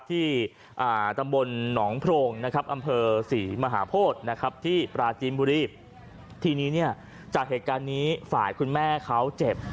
ที่ตำบลหนองโพรงนะครับอำเภอศรีมหาโพธินะครับที่ปราจีนบุรีทีนี้เนี่ยจากเหตุการณ์นี้ฝ่ายคุณแม่เขาเจ็บ